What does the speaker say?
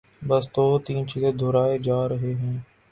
بس دو تین چیزیں دہرائے جا رہے ہیں۔